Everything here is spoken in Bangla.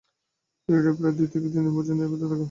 পিরিয়ডের প্রায় দুই থেকে তিন দিন পর্যন্ত এই ব্যথা থাকে।